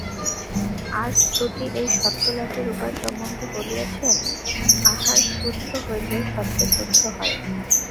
আর শ্রুতি এই সত্ত্ব-লাভের উপায় সম্বন্ধে বলিয়াছেন, আহার শুদ্ধ হইলে সত্ত্ব শুদ্ধ হয়।